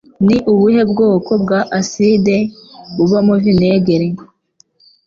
Ni ubuhe bwoko bwa Acide burimo Vinegere